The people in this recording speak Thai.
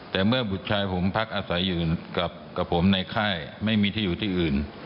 แต่เมื่อบุตรชายผมพักอาศัยอื่นกับผมในค่ายไม่มีที่อยู่ที่อื่น